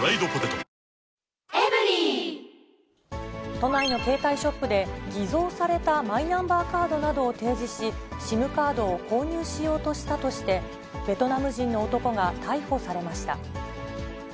都内の携帯ショップで、偽造されたマイナンバーカードなどを提示し、ＳＩＭカードを購入しようとしたとして、ベトナム人の男が逮捕されました。